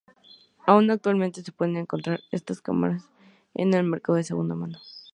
Aún actualmente se pueden encontrar estas cámaras en el mercado de segunda mano.